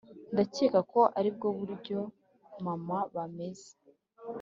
ndakeka ko aribwo buryo mama bameze.